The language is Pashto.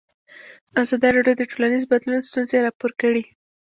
ازادي راډیو د ټولنیز بدلون ستونزې راپور کړي.